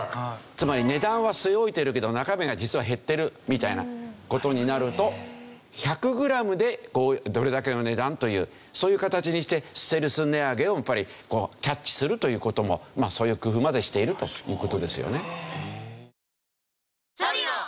つまり値段は据え置いてるけど中身が実は減ってるみたいな事になると１００グラムでどれだけの値段というそういう形にしてステルス値上げをやっぱりこうキャッチするという事もそういう工夫までしているという事ですよね。